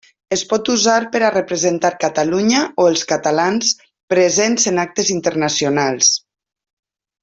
Es pot usar per a representar Catalunya, o els catalans presents en actes internacionals.